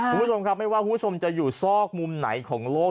ภูมิสมครับไม่ว่าภูมิสมจะอยู่ซอกมุมไหนของโลก